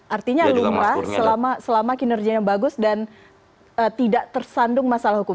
artinya lumrah selama kinerjanya bagus dan tidak tersandung masalah hukum